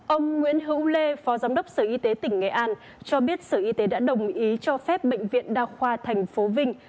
ông nguyễn hữu lê phó giám đốc sở y tế tỉnh nghệ an cho biết sở y tế đã đồng ý cho phép bệnh viện đa khoa tp vinh